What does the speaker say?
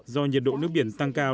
do nhiệt độ nước biển tăng cao